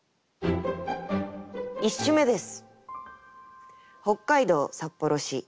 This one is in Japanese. １首目です。